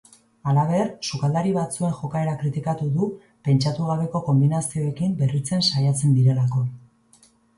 Halaber, sukaldari batzuen jokaera kritikatu du pentsatu gabeko konbinazioekin berritzen saiatzen direlako.